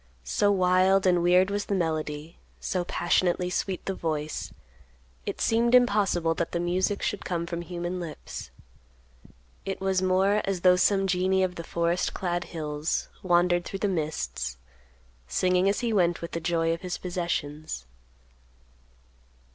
So wild and weird was the melody; so passionately sweet the voice, it seemed impossible that the music should come from human lips. It was more as though some genie of the forest clad hills wandered through the mists, singing as he went with the joy of his possessions.